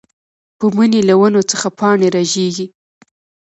پۀ مني له ونو څخه پاڼې رژيږي